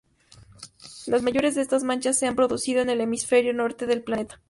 Las mayores de estas manchas se han producido en el hemisferio norte del planeta.